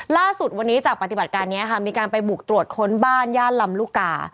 ล่าสุดวันนี้จากปฏิบัติการนี้ค่ะมีการไปบุกตรวจค้นบ้านย่านลำลูกกา